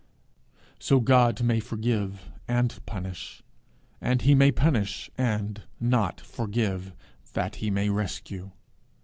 So God may forgive and punish; and he may punish and not forgive, that he may rescue.